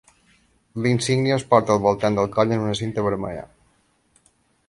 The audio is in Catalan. La insígnia es porta al voltant del coll en una cinta vermella.